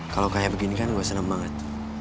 kalau kayak begini kan gue seneng banget